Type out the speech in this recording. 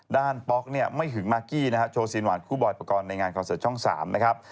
ด้านป๊อกเนี่ยไม่หึงมากกี้นะฮะโชว์สินหวัดคู่บริปกรณ์ในงานของช่อง๓นะครับ